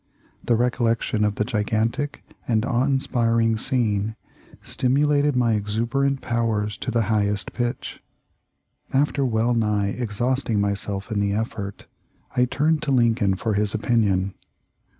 The recollection of the gigantic and awe inspiring scene stimulated my exuberant powers to the high est pitch. After well nigh exhausting myself in the effort I turned to Lincoln for his opinion.